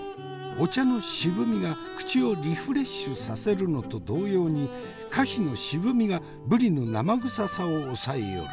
お茶の渋みが口をリフレッシュさせるのと同様に果皮の渋みがぶりの生臭さを抑えよる。